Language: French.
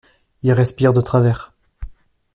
Il respire de travers.